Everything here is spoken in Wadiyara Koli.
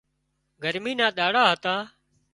گرمي نا ۮاڙا هتا